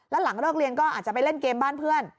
แล้วหลังเลิกเรียนก็อาจจะไปเล่นเกมบ้านเพื่อน